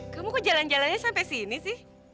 kamu kok jalan jalannya sampai sini sih